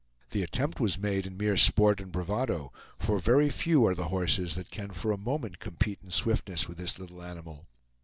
The attempt was made in mere sport and bravado, for very few are the horses that can for a moment compete in swiftness with this little animal.